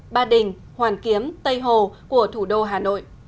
ba đình hoàn kiếm tây hồ của thủ đô hà nội